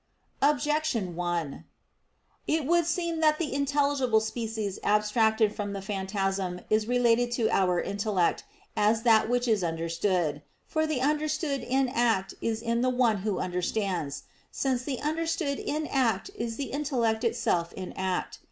Objection 1: It would seem that the intelligible species abstracted from the phantasm is related to our intellect as that which is understood. For the understood in act is in the one who understands: since the understood in act is the intellect itself in act.